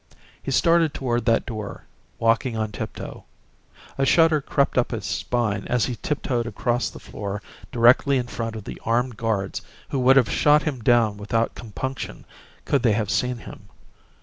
He started toward that door, walking on tiptoe. A shudder crept up his spine as he tiptoed across the floor directly in front of the armed guards who would have shot him down without compunction could they have seen him.